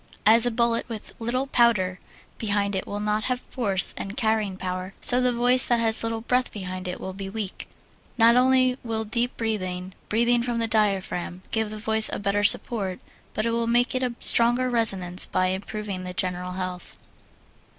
As a bullet with little powder behind it will not have force and carrying power, so the voice that has little breath behind it will be weak. Not only will deep breathing breathing from the diaphragm give the voice a better support, but it will give it a stronger resonance by improving the general health.